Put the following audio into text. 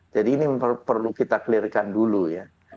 jadi ini perlu kita clear kan dulu ya